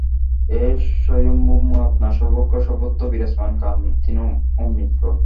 এই স্বয়ম্ভূ আত্মা সর্বগ, সর্বত্র বিরাজমান, কারণ তিনি অমূর্ত।